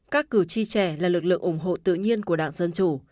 các cử tri trẻ là lực lượng ủng hộ tự nhiên của đảng dân chủ